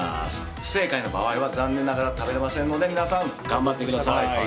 不正解の場合は残念ながら食べれませんので皆さん頑張ってください。